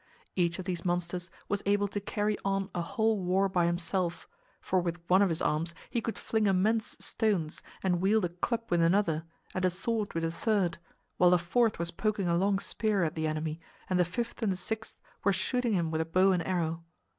Each of these monsters was able to carry on a whole war by himself, for with one of his arms he could fling immense stones and wield a club with another and a sword with a third, while a fourth was poking a long spear at the enemy and the fifth and sixth were shooting him with a bow and arrow.